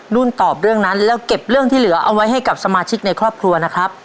ตอบเรื่องนั้นแล้วเก็บเรื่องที่เหลือเอาไว้ให้กับสมาชิกในครอบครัวนะครับ